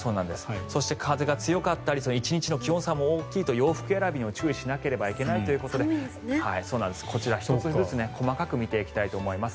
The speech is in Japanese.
そして風が強かったり１日の気温差が大きいと洋服選びにも注意しなければいけないということでこちら、１つずつ細かく見ていきます。